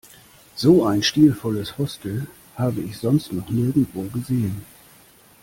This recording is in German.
So ein stilvolles Hostel habe ich sonst noch nirgendwo gesehen.